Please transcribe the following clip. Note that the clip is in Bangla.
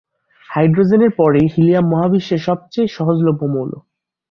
হাইড্রোজেনের পরেই হিলিয়াম মহাবিশ্বের সবচেয়ে সহজলভ্য মৌল।